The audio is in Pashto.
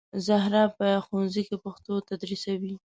زهرا په ښوونځي کې پښتو تدریسوي